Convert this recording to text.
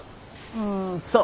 うんそう。